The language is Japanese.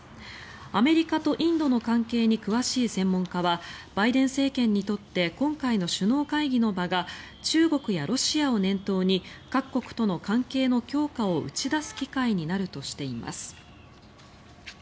アメリカとインドの関係に詳しい専門家はバイデン政権にとって今回の首脳会議の場が中国やロシアを念頭に各国との関係の強化を打ち出す機会になるとしています。